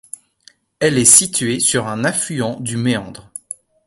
Elle est située sur un affluent du Méandre.